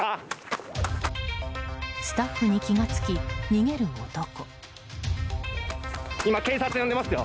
スタッフに気がつき、逃げる男。